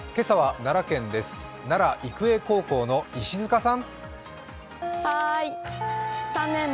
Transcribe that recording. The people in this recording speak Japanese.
奈良育成高校の石塚さん。